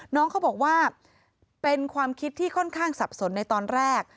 น้องเขาบอกว่าเป็นความคิดที่ค่อนข้างสับสนในตอนแรก